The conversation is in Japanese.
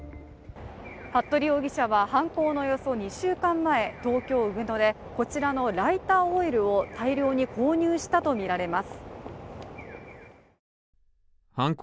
服部容疑者は犯行のおよそ２週間前、東京・上野でこちらのライターオイルを大量に購入したとみられます。